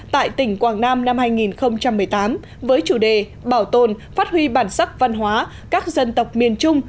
tại tỉnh quảng nam năm hai nghìn một mươi tám với chủ đề bảo tồn phát huy bản sắc văn hóa các dân tộc miền trung